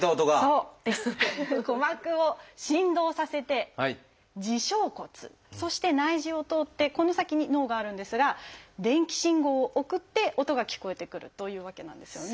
鼓膜を振動させて「耳小骨」そして内耳を通ってこの先に脳があるんですが電気信号を送って音が聞こえてくるというわけなんですよね。